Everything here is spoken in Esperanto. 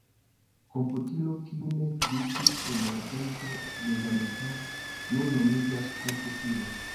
Komputilo, kiu ne ekzistis en la tempo de Zamenhof, nun nomiĝas komputilo.